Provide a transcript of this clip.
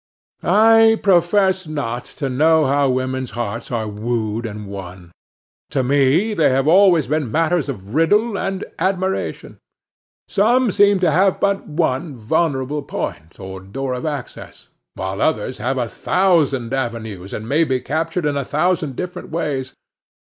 I profess not to know how women's hearts are wooed and won. To me they have always been matters of riddle and admiration. Some seem to have but one vulnerable point, or door of access; while others have a thousand avenues, and may be captured in a thousand different ways.